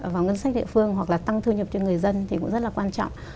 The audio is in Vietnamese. và ngân sách địa phương hoặc là tăng thư nhập cho người dân thì cũng rất là quan trọng